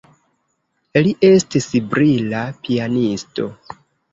Li estis brila pianisto.